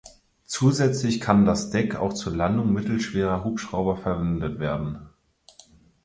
Zusätzlich kann das Deck auch zur Landung mittelschwerer Hubschrauber verwendet werden.